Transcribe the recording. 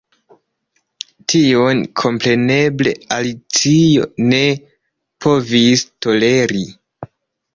Tion kompreneble Alicio ne povis toleri.